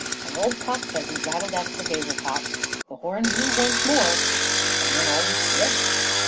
An old cock pheasant rattled out of the hazel copse. The horn blew once more, and then all was still.